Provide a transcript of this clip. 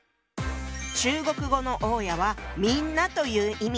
中国語の大家は「みんな」という意味。